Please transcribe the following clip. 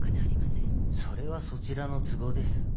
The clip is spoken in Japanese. それはそちらの都合です。